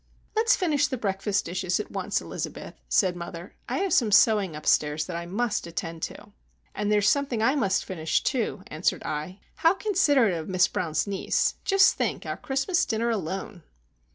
"Let's finish the breakfast dishes at once, Elizabeth," said mother. "I have some sewing upstairs that I must attend to." "And there is something I must finish, too," answered I. "How considerate of Miss Brown's niece! Just think, our Christmas dinner alone!"